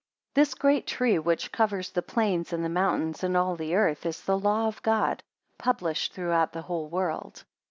This great tree which covers the plains and the mountains, and all the earth, is the law of God, published throughout the whole world.